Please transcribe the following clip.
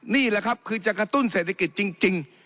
นี่แหละครับคือจะกระตุ้นเศรษฐกิจจริง